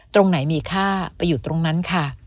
ตรงไหนมีค่าไปอยู่ตรงนั้นค่ะ